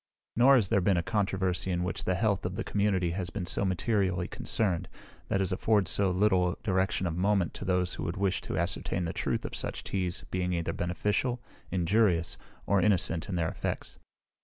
Nor has there been a controversy in which the health of the community has been so materially concerned, that has afforded so little direction of moment to those who would wish to ascertain the truth of such teas being either beneficial, injurious, or innocent in their effects.